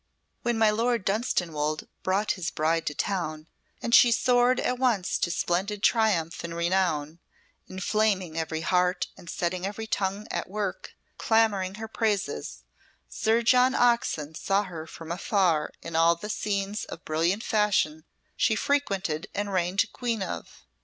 When my Lord Dunstanwolde brought his bride to town, and she soared at once to splendid triumph and renown, inflaming every heart, and setting every tongue at work, clamouring her praises, Sir John Oxon saw her from afar in all the scenes of brilliant fashion she frequented and reigned queen of.